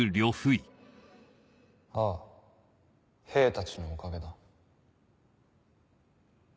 ああ兵たちのおかげだ。